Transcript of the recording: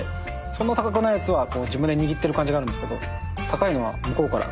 そんな高くないやつは自分で握ってる感じがあるんですけどうわ！